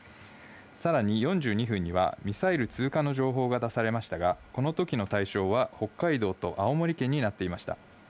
さらに４２分には、ミサイル通過の情報が出されましたが、このときの対象は北海道と青森県になっていました。